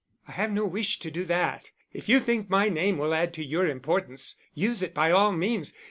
"I have no wish to do that. If you think my name will add to your importance, use it by all means....